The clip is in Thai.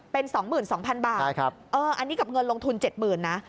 เป็น๒๒๐๐๐บาทอันนี้กับเงินลงทุน๗๐๐๐นะ